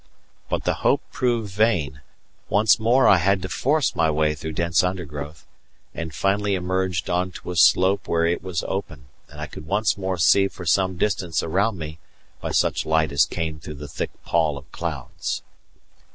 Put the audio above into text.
But the hope proved vain; once more I had to force my way through dense undergrowth, and finally emerged on to a slope where it was open, and I could once more see for some distance around me by such light as came through the thick pall of clouds.